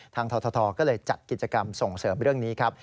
ททก็เลยจัดกิจกรรมส่งเสริมเรื่องนี้ครับ